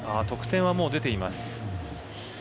得点はもう出ています。